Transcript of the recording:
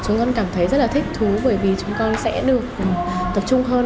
chúng con cảm thấy rất là thích thú bởi vì chúng con sẽ được tập trung hơn